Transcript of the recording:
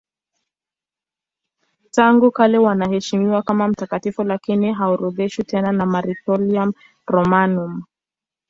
Tangu kale wanaheshimiwa kama mtakatifu lakini haorodheshwi tena na Martyrologium Romanum.